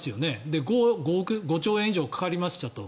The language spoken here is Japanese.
で、５兆円以上かかりましたと。